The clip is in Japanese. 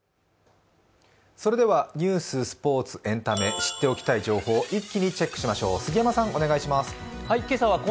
それではニュース、スポーツエンタメ、知っておきたい情報を一気にチェックしましょう、杉山さん、お願いします。